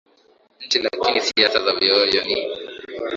nchi Lakini siasa za ovyo ovyo ni